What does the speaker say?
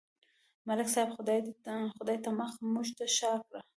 ملک صاحب خدای ته مخ، موږ ته شا کړه.